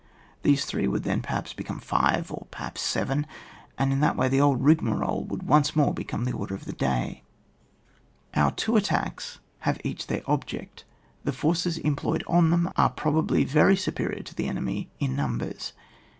These three would then, perhaps, become five, or perhaps seven, and in that way the old rigmarole would once more become the order of the day. CHAP. IX.] PLAN OF WAR FOR DESTRUCTION OF THE ENEMY. 93 Our two attacks have each their ob ject; the forces employed on them are probably very superior to the enemy in numbers.